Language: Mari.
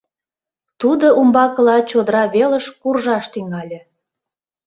Тудо умбакыла чодыра велыш куржаш тӱҥале.